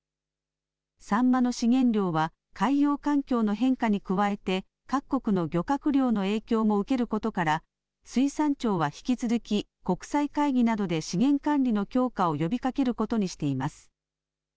サンマの資源量は、海洋環境の変化に加えて、各国の漁獲量の影響も受けることから、水産庁は引き続き、国際会議などで資源管理の強化を呼びかけることにしています。